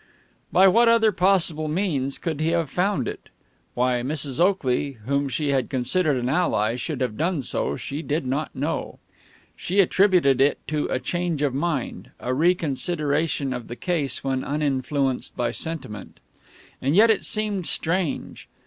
By what other possible means could he have found it? Why Mrs. Oakley, whom she had considered an ally, should have done so, she did not know. She attributed it to a change of mind, a reconsideration of the case when uninfluenced by sentiment. And yet it seemed strange.